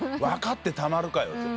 「分かってたまるかよ。